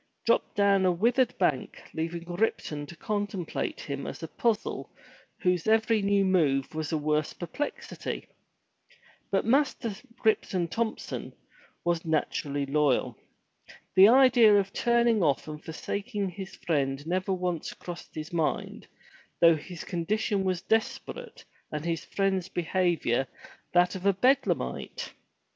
'' dropped down on a withered bank, leaving Ripton to contemplate him as a puzzle whose every new move was a worse perplexity. But Master Ripton Thompson was naturally loyal. The idea of turning off and forsaking his friend never once crossed his mind, though his condition was desperate, and his friend's behavior that of a Bedlamite.